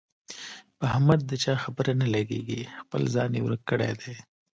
په احمد د چا خبره نه لګېږي، خپل ځان یې ورک کړی دی.